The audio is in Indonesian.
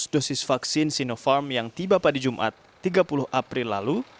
empat ratus delapan puluh dua empat ratus dosis vaksin sinopharm yang tiba pada jumat tiga puluh april lalu